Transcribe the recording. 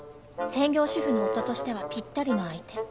専業主婦の夫としてはぴったりの相手